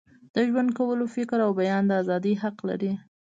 د ژوند کولو، فکر او بیان د ازادۍ حق لري.